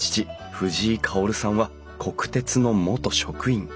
藤井薫さんは国鉄の元職員。